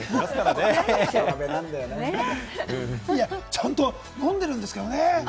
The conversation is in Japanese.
ちゃんと読んでるんですけどね。